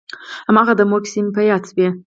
هماغه د مور کيسې مې په ياد شوې.